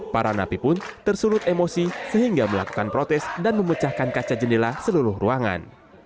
para napi pun tersulut emosi sehingga melakukan protes dan memecahkan kaca jendela seluruh ruangan